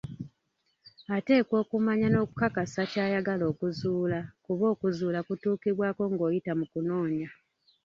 Ateekwa okumanya n'okukakasa ky'ayagala okuzuula, kuba okuzuula kutuukibwako ng'oyita mu kunoonya.